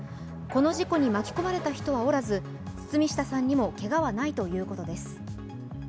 この事故に巻き込まれた人はおらず、堤下さんにもけがはないということです。